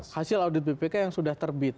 hasil audit bpk yang sudah terbit